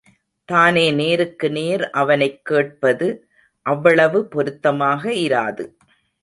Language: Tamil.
தானே நேருக்கு நேர் அவனைக் கேட்பது அவ்வளவு பொருத்தமாக இராது.